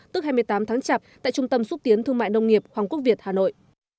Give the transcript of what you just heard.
tức hai mươi tám tháng chạp tại trung tâm xúc tiến thương mại nông nghiệp hoàng quốc việt hà nội